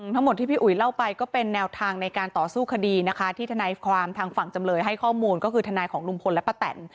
ทั้งหมดที่พี่อุ๋ยเล่าไปก็เป็นแนวทางในการต่อสู้คดีนะคะที่ทนายความทางฝั่งจำเลยให้ข้อมูลก็คือทนายของลุงพลและป้าแตน